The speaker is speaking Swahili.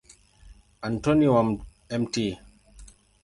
Antoni wa Mt.